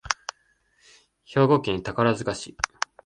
兵庫県宝塚市